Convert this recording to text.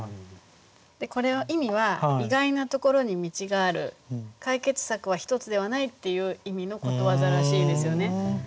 これは意味は意外なところに道がある解決策は一つではないっていう意味のことわざらしいんですよね。